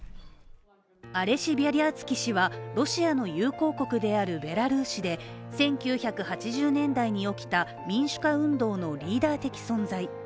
アレシ・ビャリャーツキ氏はロシアの友好国であるベラルーシで１９８０年代に起きた民主化運動のリーダー的存在。